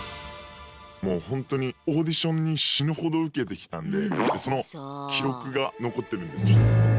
もうほんとにオーディションに死ぬほど受けてきたんでその記録が残ってるんで。